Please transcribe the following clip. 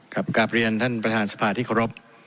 กับกราบเรียนท่านประธานสภาที่ขอรบ